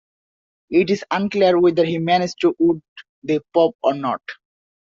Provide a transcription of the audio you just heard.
It is unclear whether he managed to wound the Pope or not.